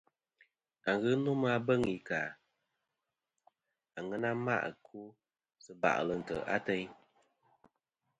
Aghɨ nomɨ a beŋ i ka àŋena ma' ɨkwo sɨ bà'lɨ ntè' ateyn.